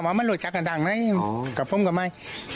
มันลุยอันนี้